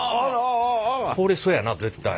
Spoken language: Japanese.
これそやな絶対。